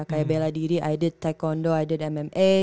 kayak bela diri i did taekwondo i did mma